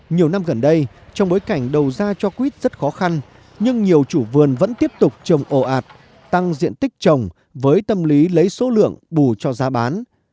nhiều năm gần đây trong bối cảnh đầu ra cho quýt rất khó khăn nhưng nhiều chủ vườn vẫn tiếp tục trồng ồ ạt tăng diện tích trồng với tâm lý lấy số lượng bù cho giá bán